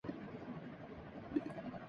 میں آپ کا انتظار کر رہا تھا۔